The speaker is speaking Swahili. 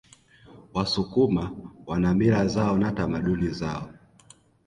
wasukuma wana mila zao na tamaduni zao